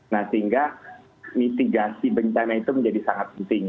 nah sehingga mitigasi bencana itu menjadi sangat penting